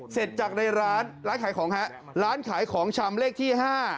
เสร็จจากในร้านร้านขายของฮะร้านขายของชำเลขที่๕